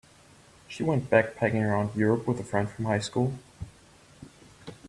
She went backpacking around Europe with a friend from high school.